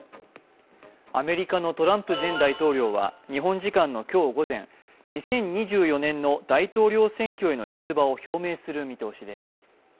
アメリカのトランプ前大統領は日本時間の今日午前、２０２４年の大統領選挙への出馬を表明する見通しです。